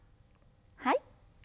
はい。